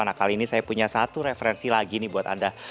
nah kali ini saya punya satu referensi lagi nih buat anda